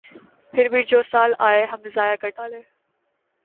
پھر جو سال آئے ہم نے ضائع کر ڈالے۔